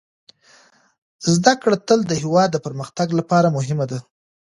زده کړه تل د هېواد د پرمختګ لپاره مهمه ده.